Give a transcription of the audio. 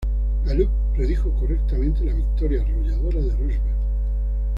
Gallup predijo correctamente la victoria arrolladora de Roosevelt.